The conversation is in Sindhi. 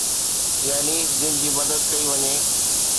يعني جن جي مدد ڪئي وڃي.